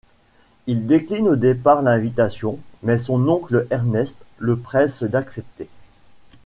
Il décline au départ l’invitation, mais son oncle Ernest le presse d’accepter.